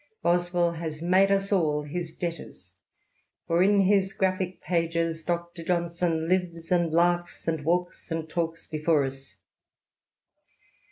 Boswell has made us all his debtors, for in his graphic pages Dr. Johnson lives and laughs, and walks and talks before us.